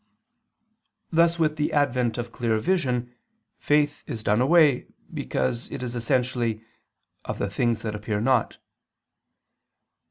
Thus with the advent of clear vision, faith is done away, because it is essentially "of the things that appear not."